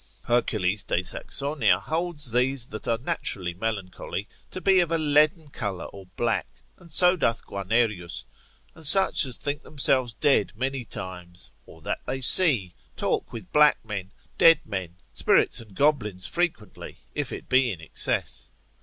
Hercules de Saxonia, c. 19. l. 7. holds these that are naturally melancholy, to be of a leaden colour or black, and so doth Guianerius, c. 3. tract. 15. and such as think themselves dead many times, or that they see, talk with black men, dead men, spirits and goblins frequently, if it be in excess.